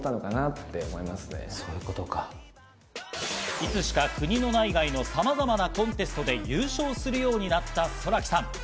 いつしか国の内外の様々なコンテストで優勝するようになったＳｏｒａＫｉさん。